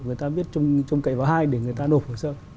người ta biết trông cậy vào hai để người ta nộp hồ sơ